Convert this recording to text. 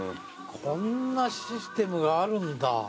こんなシステムがあるんだ。